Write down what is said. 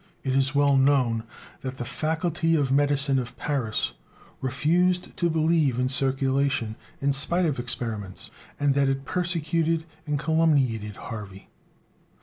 It is well known that the Faculty of Medicine of Paris refused to believe in circulation, in spite of experiments, and that it persecuted and calumniated Harvey.